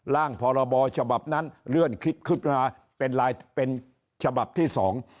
พรบฉบับนั้นเลื่อนคลิปขึ้นมาเป็นลายเป็นฉบับที่สอง